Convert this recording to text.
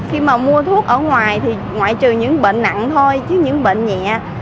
khi mà mua thuốc ở ngoài thì ngoại trừ những bệnh nặng thôi chứ những bệnh nhẹ